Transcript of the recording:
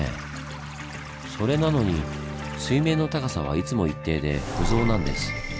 それなのに水面の高さはいつも一定で「不増」なんです。